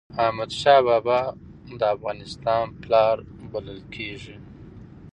احمد شاه بابا د افغانستان پلار بلل کېږي.